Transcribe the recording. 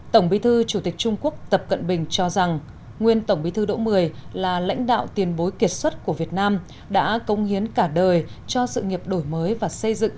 tổng bí thư chủ tịch trung quốc tập cận bình cho rằng nguyên tổng bí thư đỗ mười là lãnh đạo tiền bối kiệt xuất của việt nam đã công hiến cả đời cho sự nghiệp đổi mới và xây dựng